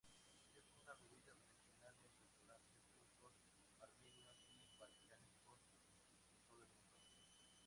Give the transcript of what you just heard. Es una bebida tradicional en restaurantes turcos, armenios y balcánicos en todo el mundo.